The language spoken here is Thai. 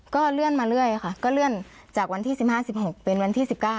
ก็เลื่อนมาเรื่อยค่ะก็เลื่อนจาก๑๕๑๖เป็น๑๙